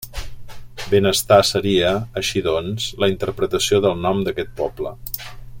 Benestar seria, així doncs, la interpretació del nom d'aquest poble.